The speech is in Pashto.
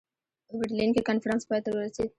په برلین کې کنفرانس پای ته ورسېد.